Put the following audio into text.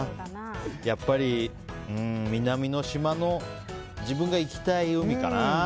やっぱり南の島の自分が行きたい海かな。